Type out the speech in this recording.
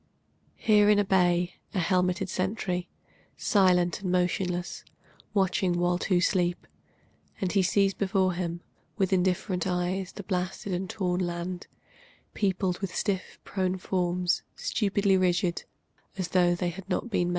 Here in a bay, a helmeted sentry Silent and motionless, watching while two sleep, And he sees before him With indifferent eyes the blasted and torn land Peopled with stiff prone forms, stupidly rigid, As tho' they had not been men.